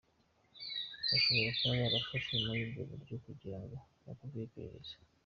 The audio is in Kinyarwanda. Bashobora kuba barafashwe muri ubu buryo kugira ngo bakorwego iperereza.”